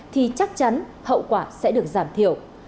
thì chắc chắn hậu quả sẽ được giảm thiểu